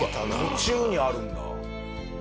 途中にあるんだ。